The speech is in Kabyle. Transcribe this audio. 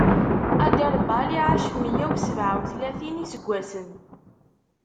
Aderbal iɛac meyya u sebɛa u tlatin n iseggasen.